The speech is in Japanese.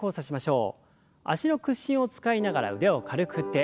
脚の屈伸を使いながら腕を軽く振って。